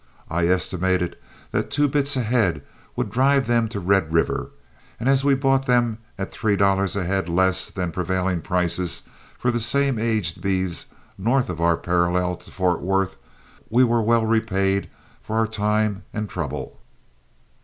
I estimated that two bits a head would drive them to Red River, and as we bought them at three dollars a head less than prevailing prices for the same aged beeves north of or parallel to Fort Worth, we were well repaid for our time and trouble.